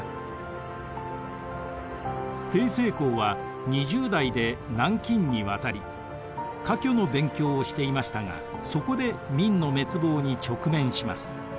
成功は２０代で南京に渡り科挙の勉強をしていましたがそこで明の滅亡に直面します。